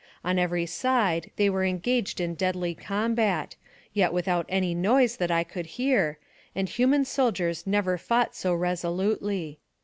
On every side they were engaged in deadly combat, yet without any noise that I could hear, and human soldiers never fought so resolutely.